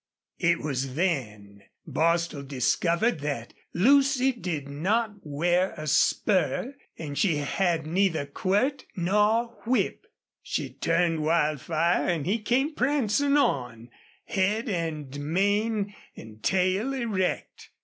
It was then Bostil discovered that Lucy did not wear a spur and she had neither quirt nor whip. She turned Wildfire and he came prancing on, head and mane and tail erect.